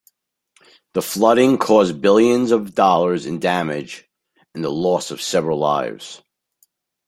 The flooding caused billions of dollars in damage and the loss of several lives.